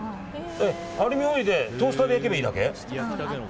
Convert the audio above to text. アルミホイルでトースターで焼けばいいだけ？